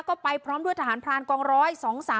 ก็ไปพร้อมด้วยทหารพรานกองร้อย๒๓